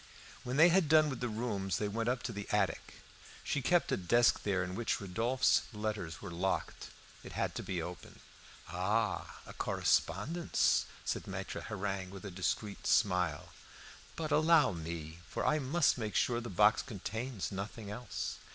When they had done with the rooms they went up to the attic. She kept a desk there in which Rodolphe's letters were locked. It had to be opened. "Ah! a correspondence," said Maitre Hareng, with a discreet smile. "But allow me, for I must make sure the box contains nothing else."